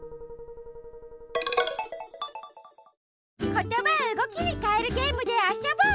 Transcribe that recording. ことばをうごきにかえるゲームであそぼう！